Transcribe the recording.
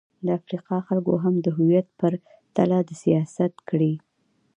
د افریقا خلکو هم د هویت پر تله د سیاست کړې.